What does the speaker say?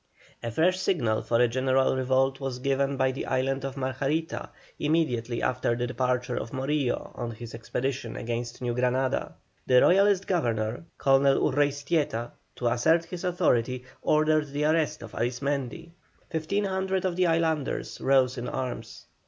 A fresh signal for a general revolt was given by the island of Margarita immediately after the departure of Morillo on his expedition against New Granada. The Royalist governor, Colonel Urreistieta, to assert his authority, ordered the arrest of Arismendi. Fifteen hundred of the islanders rose in arms.